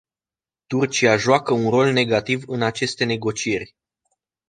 Turcia joacă un rol negativ în aceste negocieri.